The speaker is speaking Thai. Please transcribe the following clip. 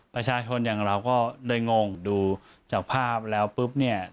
ประชาชนอย่างเราก็เลยงงดูจากภาพแล้วปุ๊บเนี่ย